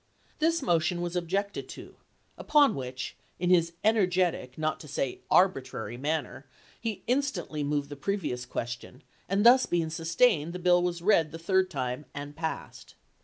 This motion was objected to, upon which, in his energetic, not to say arbi trary, manner, he instantly moved the previous question, and this being sustained, the bill was read the third time and passed.